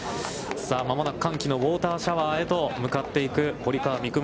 間もなく歓喜のウオーターシャワーへと向かっていく堀川未来